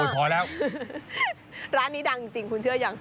พอแล้วร้านนี้ดังจริงคุณเชื่อยัง